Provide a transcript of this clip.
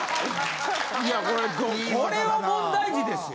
これは問題児ですよ。